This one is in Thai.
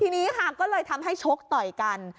ทีนี้ค่ะก็เลยทำให้ชกต่อยกัน